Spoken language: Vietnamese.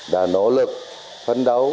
đã nỗ lực phấn đấu